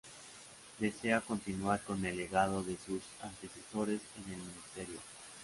Desea continuar con el legado de sus antecesores en el ministerio.